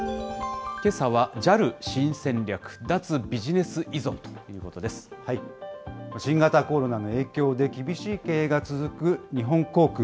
けさはＪＡＬ新戦略、新型コロナの影響で厳しい経営が続く日本航空。